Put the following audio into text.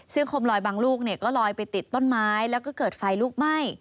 ซึ่งคมลอยบางลูกก็ลอยไปติดต้นไม้แล้วก็เกิดไฟลุกไหม้